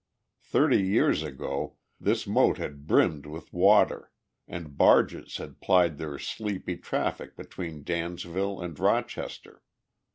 Thirty years ago, this moat had brimmed with water, and barges had plied their sleepy traffic between Dansville and Rochester.